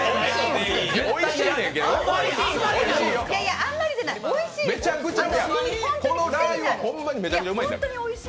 あんまりじゃない、おいしい。